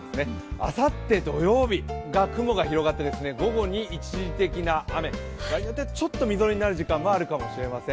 あさって土曜日が雲が広がって、午後に一時的な雨、場合によってはちょっとみぞれになる時間もあるかもしれません。